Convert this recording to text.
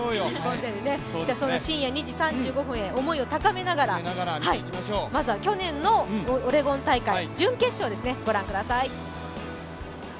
そんな深夜２時３５分へ思いを高めながらまずは去年のオレゴン大会準決勝ですね、ご覧ください。